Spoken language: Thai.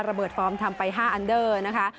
ระเบิดฟอร์มทำไป๕อันเดอร์นะคะ